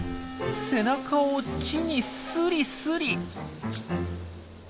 背中を木にスリスリ。